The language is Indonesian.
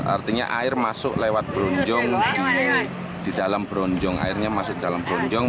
artinya air masuk lewat bronjong di dalam bronjong airnya masuk dalam bronjong